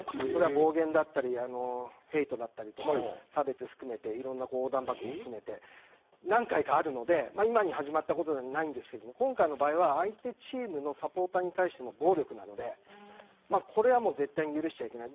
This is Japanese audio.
暴言だったりヘイトだったり差別を含めていろんな横断幕も含めて何回かあるので今に始まったことではないですが今回の場合は相手チームのサポーターに対しての暴力なんでこれは絶対に許しちゃいけない。